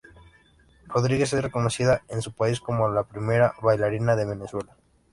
Rodríguez es reconocida en su país como la Primera Bailarina de Venezuela.